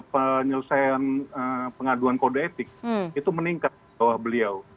penyelesaian pengaduan kode etik itu meningkat di bawah beliau